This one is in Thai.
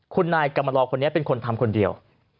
คุณนายกรรมลอคนนี้เป็นคนทำคนเดียว